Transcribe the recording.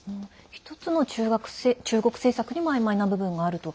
ひとつの中国政策にもあいまいな部分があると。